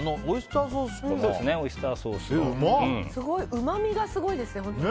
うまみがすごいですね、本当に。